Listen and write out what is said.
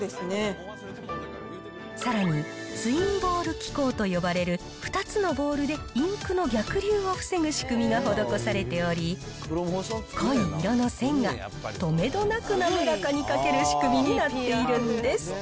さらに、ツインボール機構と呼ばれる、２つのボールでインクの逆流を防ぐ仕組みが施されており、濃い色の線がとめどなく滑らかに書ける仕組みになっているんです。